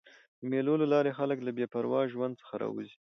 د مېلو له لاري خلک له بې پروا ژوند څخه راوځي.